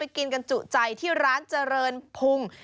กินกันจุใจที่ร้านเจริญพุง